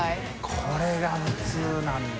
これが普通なんだ？